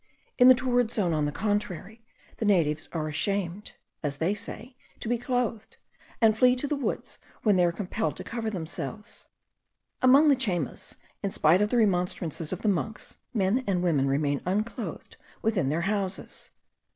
In the torrid zone, on the contrary, the natives are ashamed (as they say) to be clothed; and flee to the woods, when they are compelled to cover themselves. Among the Chaymas, in spite of the remonstrances of the monks, men and women remain unclothed within their houses.